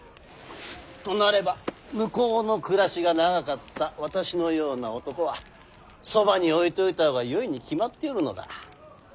となれば向こうの暮らしが長かった私のような男はそばに置いておいた方がよいに決まっておるのだ。